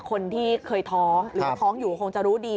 คนที่เคยท้องหรือว่าท้องอยู่คงจะรู้ดี